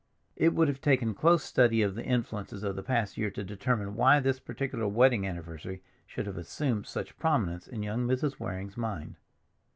It would have taken close study of the influences of the past year to determine why this particular wedding anniversary should have assumed such prominence in young Mrs. Waring's mind.